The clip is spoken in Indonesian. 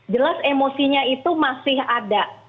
jelas emosinya itu masih ada